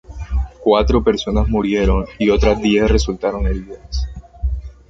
Cuatro personas murieron y otras diez resultaron heridas.